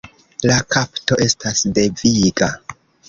La kapto estas deviga.